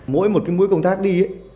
mỗi một mối công tác đi